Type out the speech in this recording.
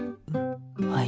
はい。